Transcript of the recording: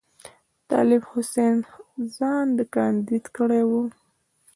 طالب حسین ځان کاندید کړی وو.